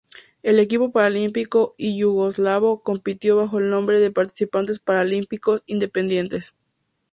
El equipo paralímpico yugoslavo compitió bajo el nombre de Participantes Paralímpicos Independientes.